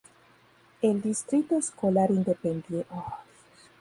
El Distrito Escolar Independiente de Arlington gestiona la red de escuelas públicas.